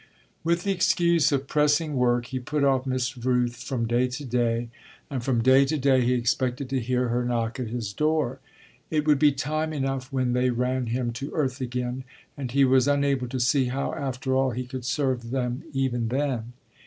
With the excuse of pressing work he put off Miss Rooth from day to day, and from day to day he expected to hear her knock at his door. It would be time enough when they ran him to earth again; and he was unable to see how after all he could serve them even then.